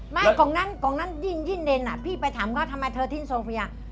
ไม่ตรงนั้นยิ่งเรนพี่ไปถามเขาทำไมเธอทิ้งโซเฟีย